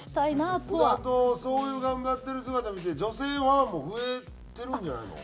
あとそういう頑張ってる姿見て女性ファンも増えてるんじゃないの？